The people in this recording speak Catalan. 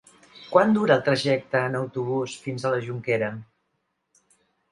Quant dura el trajecte en autobús fins a la Jonquera?